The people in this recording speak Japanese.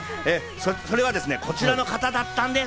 それはこちらの方だったんです。